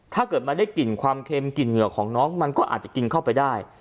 ถ้าเกิดมันได้กลิ่นความเค็มกลิ่นเหงื่อของน้องมันก็อาจจะกินเข้าไปได้